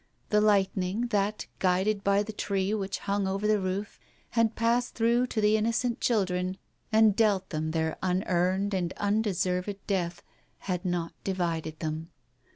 The lightning that, guided by the tree which hung over the roof, had passed through to the innocent children and dealt them their unearned and undeserved death, had not divided them.